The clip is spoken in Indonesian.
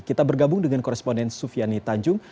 kita bergabung dengan koresponden sufiani tanjung